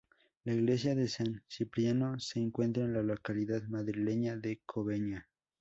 La iglesia de San Cipriano se encuentra en la localidad madrileña de Cobeña.